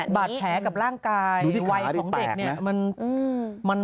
บาดแผลกับร่างกายวัยของเด็กเนี่ย